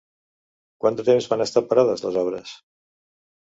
Quant de temps van estar parades les obres?